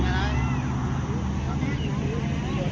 สวัสดีครับทุกคน